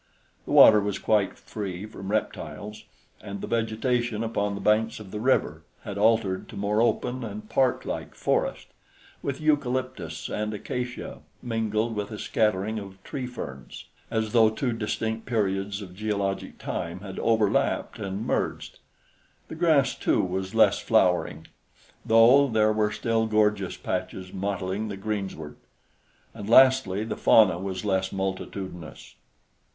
The water was quite free from reptiles, and the vegetation upon the banks of the river had altered to more open and parklike forest, with eucalyptus and acacia mingled with a scattering of tree ferns, as though two distinct periods of geologic time had overlapped and merged. The grass, too, was less flowering, though there were still gorgeous patches mottling the greensward; and lastly, the fauna was less multitudinous.